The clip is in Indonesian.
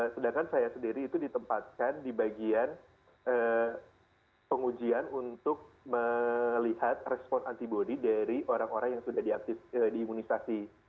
sedangkan saya sendiri itu ditempatkan di bagian pengujian untuk melihat respon antibody dari orang orang yang sudah diimunisasi